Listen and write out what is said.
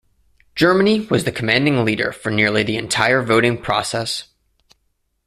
Germany was the commanding leader for nearly the entire voting process.